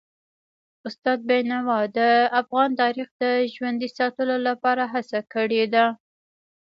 استاد بینوا د افغان تاریخ د ژوندي ساتلو لپاره هڅه کړي ده.